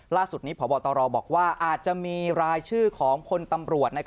ล่าสุดนี้พบตรบอกว่าอาจจะมีรายชื่อของพลตำรวจ